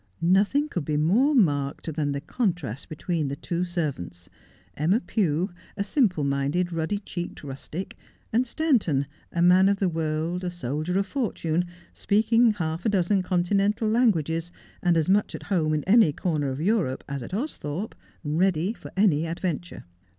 Nothing could be more marked than the contrast between the two servants, Emma Pew, a simple minded ruddy cheeked rustic, and Stanton, a man of the world, a soldier of fortune, speaking half a dozen Continental languages, as much at home in any corner of Europe as at Austhorpe, ready for any adventure.